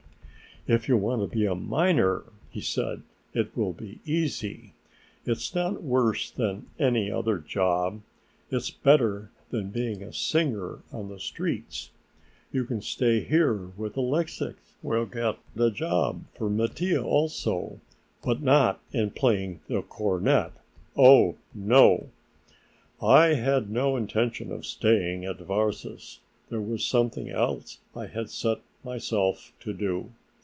"If you want to be a miner," he said, "it will be easy. It's not worse than any other job. It's better than being a singer on the streets. You can stay here with Alexix. We'll get a job for Mattia also, but not in playing the cornet, oh no." I had no intention of staying at Varses; there was something else I had set myself to do.